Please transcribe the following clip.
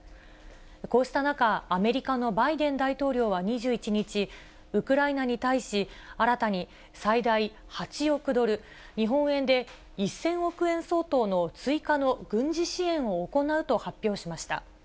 こうした中、アメリカのバイデン大統領は２１日、ウクライナに対し、新たに最大８億ドル、日本円で１０００億円相当の追加の軍事支援を行うと発表しました。